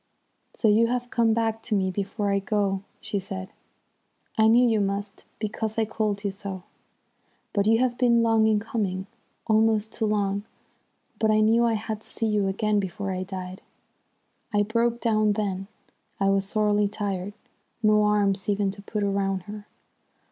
"'So you have come back to me before I go,' she said. 'I knew you must, because I called you so. But you have been long in coming, almost too long. But I knew I had to see you again before I died.' "I broke down then. I was sorely tried. No arms even to put round her!